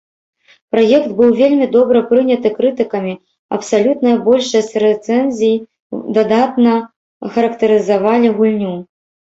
Праект быў вельмі добра прыняты крытыкамі, абсалютная большасць рэцэнзій дадатна характарызавалі гульню.